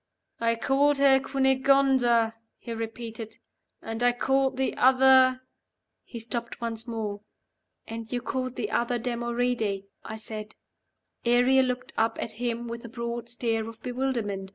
"I called her Cunegonda," he repeated. "And I called the other " He stopped once more. "And you called the other Damoride," I said. Ariel looked up at him with a broad stare of bewilderment.